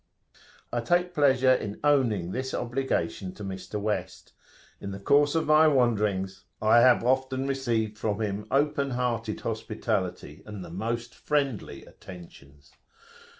I take a pleasure in owning this obligation to Mr. West: in the course of my wanderings, I have often [p.170] received from him open hearted hospitality and the most friendly attentions.